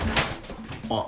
あっ。